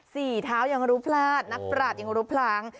สี่เท้ายังรู้พลาดนักปราบยังรู้พลั้ง